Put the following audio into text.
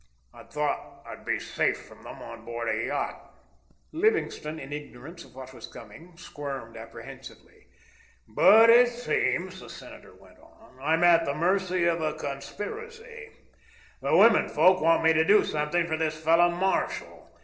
I thought I'd be safe from them on board a yacht." Livingstone, in ignorance of what was coming, squirmed apprehensively. "But it seems," the senator went on, "I'm at the mercy of a conspiracy. The women folk want me to do something for this fellow Marshall.